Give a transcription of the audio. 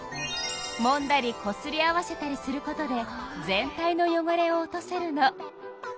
もんだりこすり合わせたりすることで全体のよごれを落とせるの。